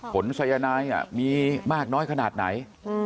สัยนายมีมากน้อยขนาดไหน